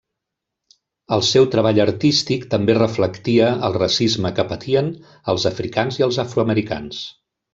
El seu treball artístic també reflectia el racisme que patien els africans i els afroamericans.